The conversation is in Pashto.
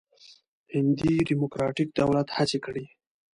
هندي ډموکراتیک دولت هڅې کړې.